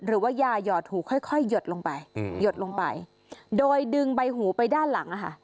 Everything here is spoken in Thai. หรือว่ายาหยอดหูค่อยหยดลงไปโดยดึงใบหูไปด้านหลังค่ะ